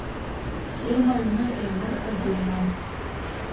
Ирма аҩны еимырҟьо дыҩнан.